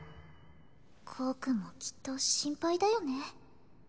光くんもきっと心配だよね